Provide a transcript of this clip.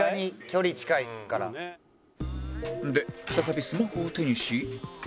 で再びスマホを手にし